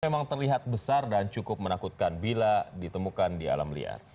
memang terlihat besar dan cukup menakutkan bila ditemukan di alam liar